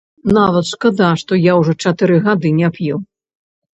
Нават шкада, што я ўжо чатыры гады не п'ю.